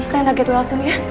rena get well langsung ya